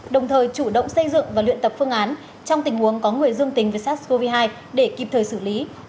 đồng thời chủ động xây dựng và luyện tập phương án trong tình huống có người dương tính với sars cov hai để kịp thời xử lý